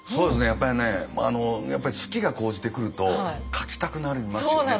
やっぱりね好きが高じてくると描きたくなりますよね。